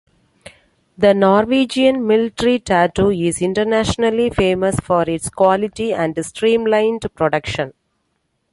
The Norwegian Military Tattoo is internationally famous for its quality and streamlined production.